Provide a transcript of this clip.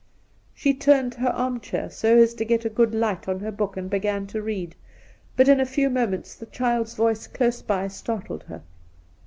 She turned her armchair so as to get a good light on her book, and began to read, but in a few moments the child's voice close by startled her.